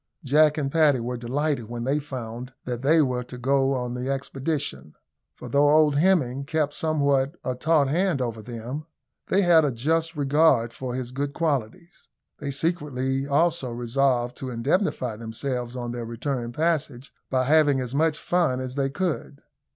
Jack and Paddy were delighted when they found that they were to go on the expedition; for, though old Hemming kept somewhat a taut hand over them, they had a just regard for his good qualities. They secretly also resolved to indemnify themselves on their return passage by having as much fun as they could.